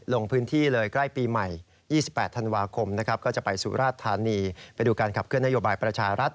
ลงพื้นที่เลยใกล้ปีใหม่๒๘ธันวาคมนะครับก็จะไปสุราชธานีไปดูการขับเคลื่อนนโยบายประชารัฐ